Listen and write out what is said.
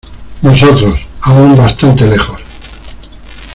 nosotros, aún bastante lejos